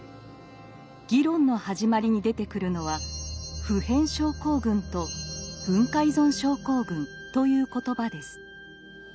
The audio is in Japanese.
議論の始まりに出てくるのは「普遍症候群」と「文化依存症候群」という言葉です。